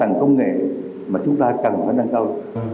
hạ tầng công nghệ mà chúng ta cần phải nâng cao